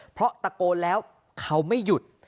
เพราะตะโกนแล้วเขาไม่หยุด